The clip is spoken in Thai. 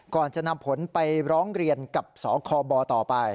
ก่อนจะนำผลไปร้องเรียนกับสคบต่อไป